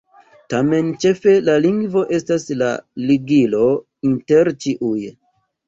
Tamen ĉefe la lingvo estas la ligilo inter ĉiuj.